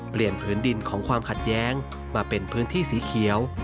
ผืนดินของความขัดแย้งมาเป็นพื้นที่สีเขียว